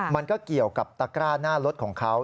มันก็เกี่ยวกับตะกร้าหน้ารถของเขา